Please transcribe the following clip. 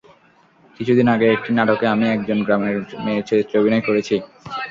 কিছুদিন আগে একটি নাটকে আমি একজন গ্রামের মেয়ের চরিত্রে অভিনয় করেছি।